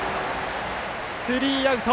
スリーアウト。